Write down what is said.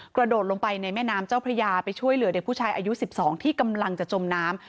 กระโดดลงไปในแม่น้ำเจ้าพระยาไปช่วยเหลือเด็กผู้ชายอายุ๑๒ที่กำลังจะจมน้ำ